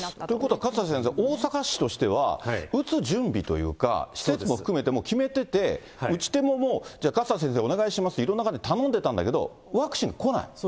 ということは、勝田先生、大阪市としては、打つ準備というか、施設も含めて決めてて、打ち手ももう、じゃあ、勝田先生お願いしますと、いろんな方に頼んでたんだけど、ワクチン来ない。